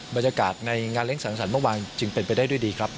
บรรยากาศในงานเลี้ยสังสรรค์เมื่อวานจึงเป็นไปได้ด้วยดีครับ